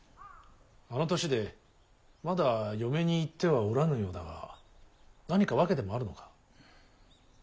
あの年でまだ嫁に行ってはおらぬようだが何か訳でもあるのか。